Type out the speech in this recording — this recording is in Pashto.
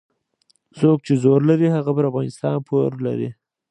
څوک چې زور لري هغه پر افغانستان پور لري.